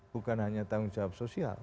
bukan hanya tanggung jawab sosial